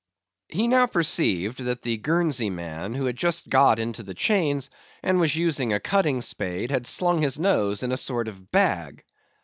He now perceived that the Guernsey man, who had just got into the chains, and was using a cutting spade, had slung his nose in a sort of bag.